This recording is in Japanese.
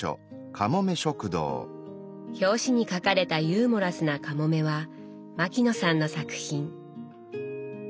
表紙に描かれたユーモラスなかもめは牧野さんの作品。